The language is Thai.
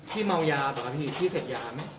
พี่เม้ายาเหรอพี่เสภยาไหม